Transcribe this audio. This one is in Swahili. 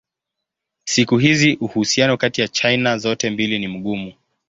Siku hizi uhusiano kati ya China zote mbili ni mgumu.